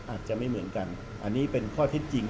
อาจจะไม่เหมือนกันอันนี้เป็นข้อเท็จจริง